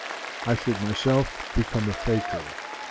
I should myself become a fakir.